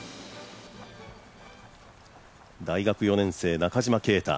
大学４年生、中島啓太。